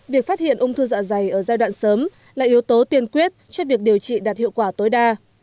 việc phát hiện ung thư dạ dày ở giai đoạn sớm là yếu tố tiên quyết cho việc điều trị đạt hiệu quả tối đa